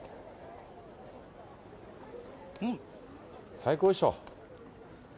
最高でしょ？